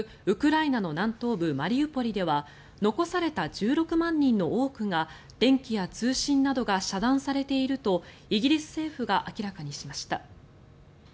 ウクライナの南東部マリウポリでは残された１６万人の多くが電気や通信などが遮断されているとイギリス政府が明らかにしました。